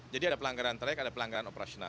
jadi ada pelanggaran trayek ada pelanggaran operasional